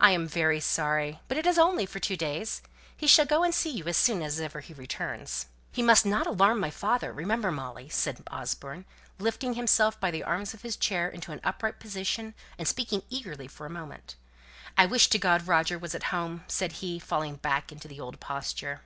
"I am very sorry. But it is only for two days. He shall go and see you as soon as ever he returns." "He must not alarm my father, remember, Molly," said Osborne, lifting himself by the arms of his chair into an upright position and speaking eagerly for the moment. "I wish to God Roger was at home!" said he, falling back into the old posture.